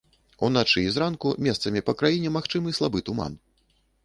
Уначы і зранку месцамі па краіне магчымы слабы туман.